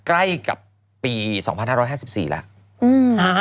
ใกล้กับปี๒๕๕๔แล้ว